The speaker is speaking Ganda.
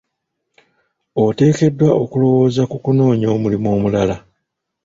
Oteekeddwa okulowooza ku kunoonya omulimu omulala.